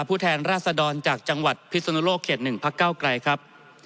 ผู้แทนราษฎรจากจังหวัดพิศนุโลกเขต๑พักเก้าไกรครับ